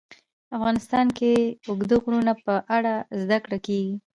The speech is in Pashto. افغانستان کې د اوږده غرونه په اړه زده کړه کېږي.